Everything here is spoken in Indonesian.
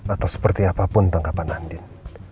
atau seperti apapun tanggapan andien